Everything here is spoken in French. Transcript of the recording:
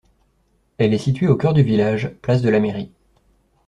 Elle est située au cœur du village, place de la Mairie.